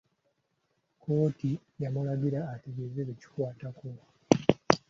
Kkooti yamulagira ategeeze bekikwatako.